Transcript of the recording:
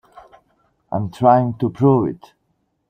I'm trying to prove it.